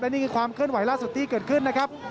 นี่คือความเคลื่อนไหวล่าสุดที่เกิดขึ้นนะครับ